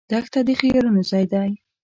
دښته د خیالونو ځای دی.